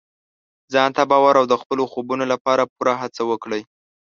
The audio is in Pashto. ځان ته باور او د خپلو خوبونو لپاره پوره هڅه وکړئ.